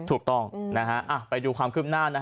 ถูกต้องไปดูความขึ้นหน้า